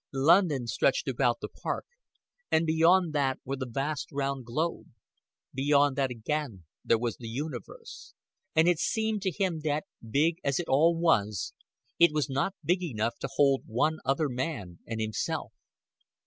London stretched about the park, and beyond that there was the vast round globe; beyond that again there was the universe; and it seemed to him that, big as it all was, it was not big enough to hold one other man and himself.